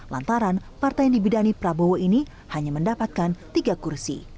lantaran partai yang dibidani prabowo ini hanya mendapatkan tiga kursi